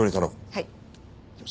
はい。